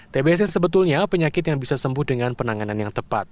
tbc sebetulnya penyakit yang bisa sembuh dengan penanganan yang tepat